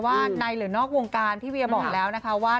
ว่าในหรือนอกวงการพี่เวียบอกแล้วนะคะว่า